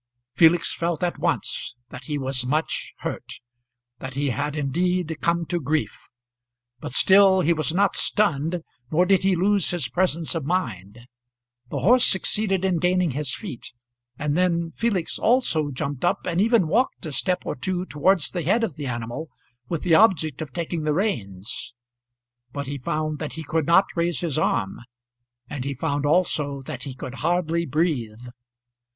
Felix felt at once that he was much hurt that he had indeed come to grief; but still he was not stunned nor did he lose his presence of mind. The horse succeeded in gaining his feet, and then Felix also jumped up and even walked a step or two towards the head of the animal with the object of taking the reins. But he found that he could not raise his arm, and he found also that he could hardly breathe.